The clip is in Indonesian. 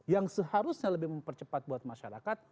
yang seharusnya lebih mempercepat buat masyarakat